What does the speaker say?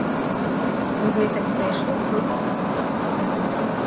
Гэтак прайшло колькі хвілін.